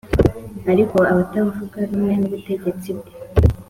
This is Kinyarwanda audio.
Ariko abatavuga rumwe n’ubutegetsi bwe